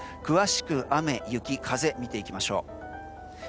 詳しく、雨、雪、風見ていきましょう。